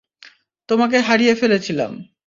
তোমাকে হারিয়ে ফেলেছিলাম।